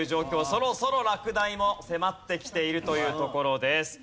そろそろ落第も迫ってきているというところです。